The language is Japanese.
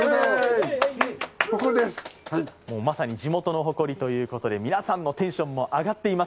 まさに地元の誇りということで皆さんのテンションも上がっています。